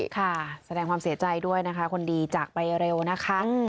แสดงความเสียใจด้วยนะคะคนดีจากไปเร็วนะคะ